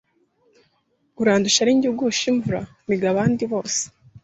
urandusha ari jye ugusha imvura mpiga abandi bose